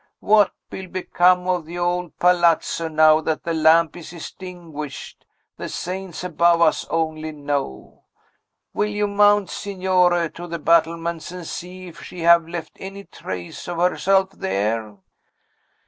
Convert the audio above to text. What will become of the old palazzo, now that the lamp is extinguished, the saints above us only know! Will you mount, Signore, to the battlements, and see if she have left any trace of herself there?"